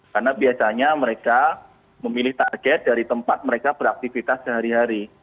karena biasanya mereka memilih target dari tempat mereka beraktivitas sehari hari